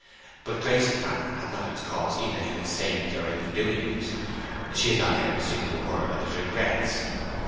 But Grace's manner had not its cause either in his sayings or in his doings. She had not heard a single word of his regrets.